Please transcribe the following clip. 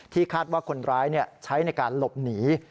คาดว่าคนร้ายใช้ในการหลบหนี